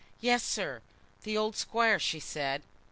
"Yes, sir; the old Squire," she said.